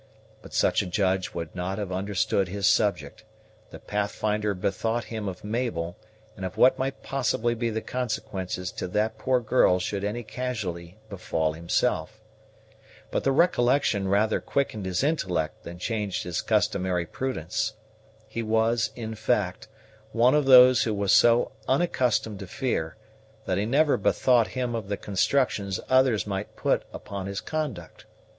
But such a judge would not have understood his subject; the Pathfinder bethought him of Mabel, and of what might possibly be the consequences to that poor girl should any casualty befall himself. But the recollection rather quickened his intellect than changed his customary prudence. He was, in fact, one of those who was so unaccustomed to fear, that he never bethought him of the constructions others might put upon his conduct.